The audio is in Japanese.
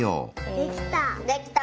できた。